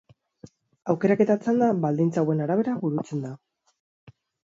Aukeraketa txanda baldintza hauen arabera burutzen da.